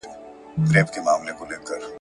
پر ځنګله یې کړل خپاره خپل وزرونه !.